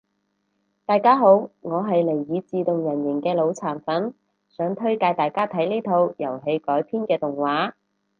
大家好我係尼爾自動人形嘅腦殘粉，想推介大家睇呢套遊戲改編嘅動畫